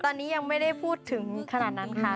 ตอนนี้ยังไม่ได้พูดถึงขนาดนั้นค่ะ